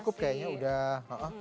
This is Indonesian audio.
cukup kayaknya udah